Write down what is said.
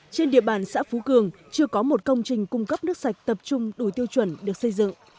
trên địa bàn xã phú cường chưa có một công trình cung cấp nước sạch tập trung đủ tiêu chuẩn được xây dựng